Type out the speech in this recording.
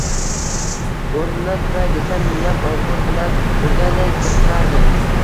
O`rnimdan turay desam miyam ombur bilan urganday zirqirardi